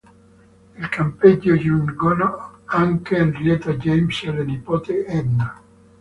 Al campeggio giungono anche Henrietta James e la nipote Edna.